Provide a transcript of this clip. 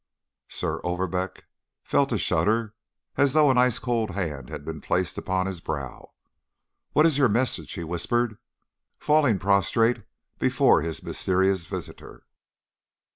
"Sir Overbeck felt a shudder as though an ice cold hand had been placed upon his brow. 'What is your message?' he whispered, falling prostrate before his mysterious visitor.